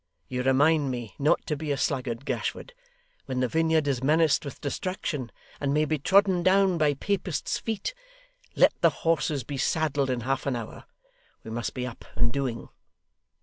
You remind me not to be a sluggard, Gashford, when the vineyard is menaced with destruction, and may be trodden down by Papist feet. Let the horses be saddled in half an hour. We must be up and doing!